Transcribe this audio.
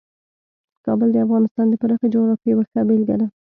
کابل د افغانستان د پراخې جغرافیې یوه ښه بېلګه ده.